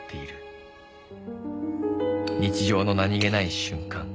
「日常の何気ない瞬間」